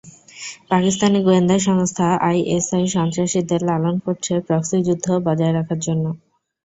পাকিস্তানি গোয়েন্দা সংস্থা আইএসআই সন্ত্রাসীদের লালন করছে প্রক্সি যুদ্ধ বজায় রাখার জন্য।